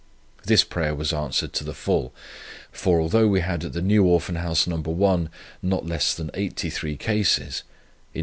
This prayer was answered to the full; for though we had at the New Orphan House No. 1 not less than 83 cases, in No.